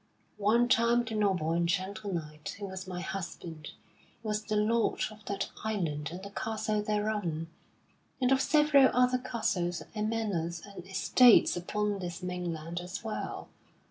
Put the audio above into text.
One time the noble and gentle knight who was my husband was the lord of that island and the castle thereon, and of several other castles and manors and estates upon this mainland as well.